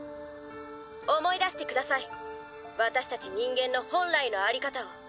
思い出してください私たち人間の本来のあり方を。